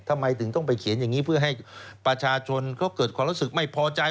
ทำไมถึงต้องไปเขียนอย่างนี้เพื่อให้ประชาชนเขาเกิดความรู้สึกไม่พอใจ